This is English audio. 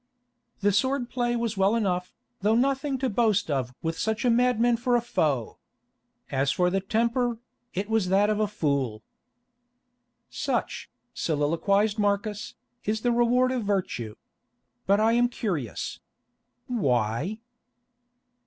"The sword play was well enough, though nothing to boast of with such a madman for a foe. As for the temper, it was that of a fool." "Such," soliloquised Marcus, "is the reward of virtue. But I am curious. Why?"